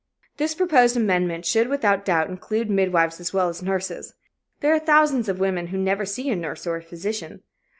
_" This proposed amendment should without doubt include midwives as well as nurses. There are thousands of women who never see a nurse or a physician.